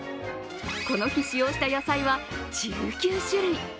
この日、使用した野菜は１９種類。